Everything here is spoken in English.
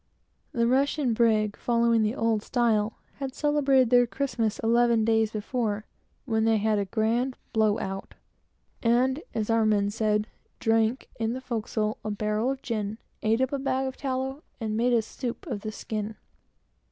The Russian brig, following the Old Style, had celebrated their Christmas eleven days before; when they had a grand blow out and (as our men said) drank, in the forecastle, a barrel of gin, ate up a bag of tallow, and made a soup of the skin.